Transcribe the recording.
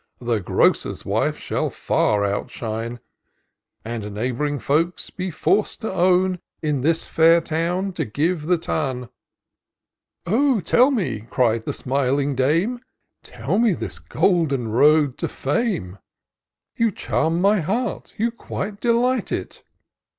The grocer's wife shall far outshine. And neighb'ring folks be forc'd to own, In this fair town you give the ton." " Oh ! tell me," cried the smiling dame, " Tell me this golden road to fame : You charm my heart, you quite delight it."